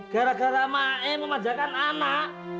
gara gara main memanjakan anak